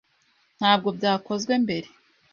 Ntabwo byakozwe mbere.